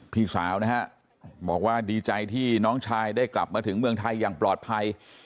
พี่สาวนะฮะบอกว่าดีใจที่น้องชายได้กลับมาถึงเมืองไทยอย่างปลอดภัย